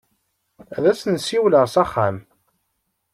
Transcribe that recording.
Ad as-n-siwleɣ s axxam.